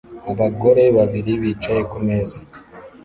Abagore babiri bicaye ku meza